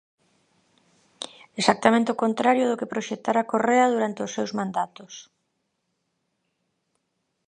Exactamente o contrario do que proxectara Correa durante os seus mandatos.